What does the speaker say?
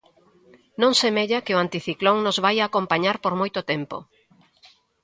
Non semella que o anticiclón nos vaia acompañar por moito tempo.